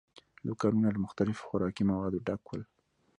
دوکانونه له مختلفو خوراکي موادو ډک ول.